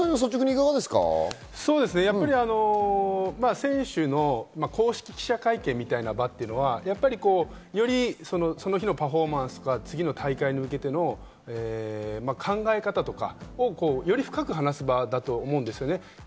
選手の公式記者会見みたいな場というのはよりその日のパフォーマンス、次の大会に向けての考え方とかを、より深く話す場だと思うんですよね。